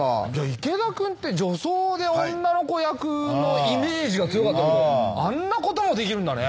池田君って女装で女の子役のイメージが強かったけどあんなこともできるんだね。